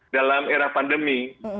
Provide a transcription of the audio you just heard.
dalam era pandemi